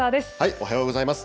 おはようございます。